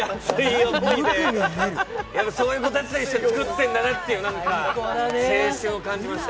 そういう子たちと一緒に作ってるんだなと青春を感じました。